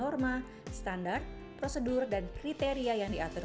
kembangunannya pun tetap berdiri dalam keuntungan pendidikan